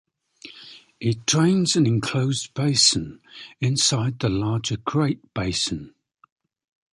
It drains an enclosed basin inside the larger Great Basin.